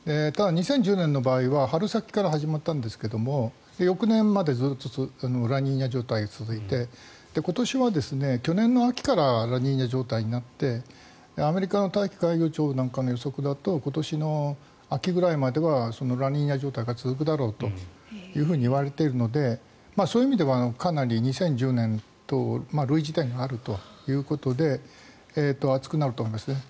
ただ２０１０年の場合は春先から始まったんですけど翌年までずっとラニーニャ状態が続いて今年は去年の秋からラニーニャ状態になってアメリカの海洋大気庁の予測だと今年の秋ぐらいまではラニーニャ状態が続くだろうといわれているのでそういう意味ではかなり２０１０年と類似点があるということで暑くなると思いますね。